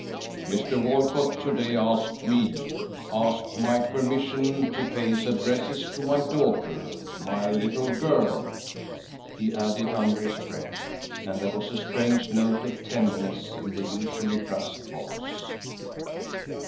"Mr. Walcott to day asked me asked my permission to pay his addresses to my daughter my little girl," he added, under his breath, and there was a strange note of tenderness in the usually brusque voice.